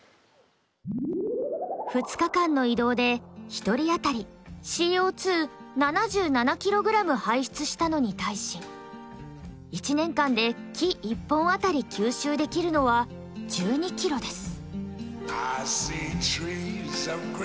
２日間の移動で１人あたりＣＯ７７ｋｇ排出したのに対し１年間で木１本あたり吸収できるのは１２ｋｇです。